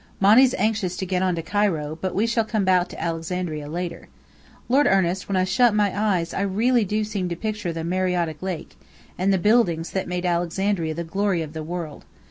Monny's anxious to get on to Cairo, but we shall come back to Alexandria later. Lord Ernest, when I shut my eyes, I really do seem to picture the Mareotic Lake, and the buildings that made Alexandria the glory of the world.